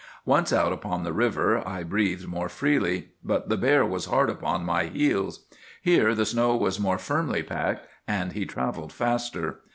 "Once out upon the river I breathed more freely. But the bear was hard upon my heels. Here the snow was more firmly packed, and he travelled faster.